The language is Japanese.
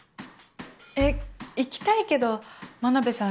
えっ行きたいけど真鍋さん